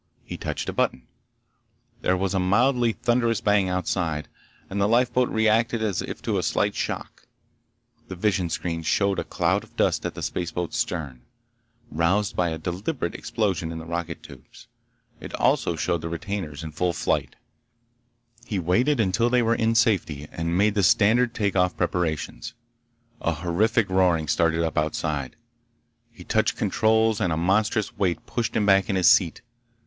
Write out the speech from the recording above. He touched a button. There was a mildly thunderous bang outside, and the lifeboat reacted as if to a slight shock. The visionscreens showed a cloud of dust at the spaceboat's stern, roused by a deliberate explosion in the rocket tubes. It also showed the retainers in full flight. He waited until they were in safety and made the standard take off preparations. A horrific roaring started up outside. He touched controls and a monstrous weight pushed him back in his seat.